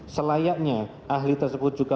selayaknya ahli tersebut juga